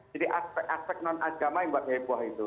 jadi aspek aspek non agama yang membuat heboh itu